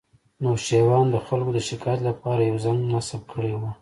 نوشیروان د خلکو د شکایت لپاره یو زنګ نصب کړی و